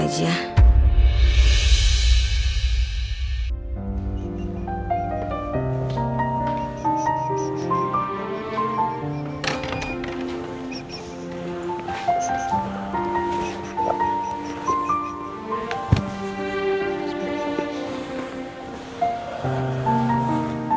mas beritahu aku